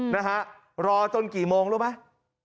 นะฮะรอจนกี่โมงรู้ไหม